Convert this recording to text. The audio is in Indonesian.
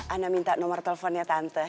anda minta nomor teleponnya tante